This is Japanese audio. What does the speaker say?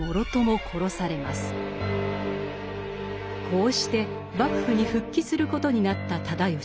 こうして幕府に復帰することになった直義。